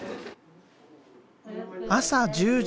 朝１０時。